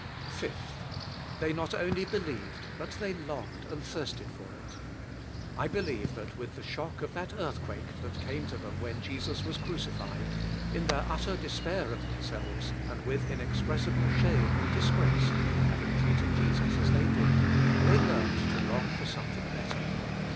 5. They not only believed^ but they longed and thirsted f 07' it. I believe that, with the shock of that earthquake that came to them when Jesus was crucified, in their utter despair of themselves and with inexpressible shame and disgrace for having treated Jesus as they did, they learned to long for something better.